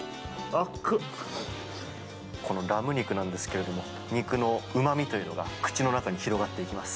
このラム肉なんですけど肉のうまみというのが口の中に広がっていきます。